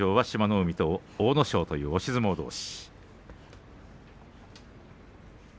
海と阿武咲という押し相撲どうし。